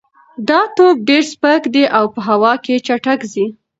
دا توپ ډېر سپک دی او په هوا کې چټک ځي.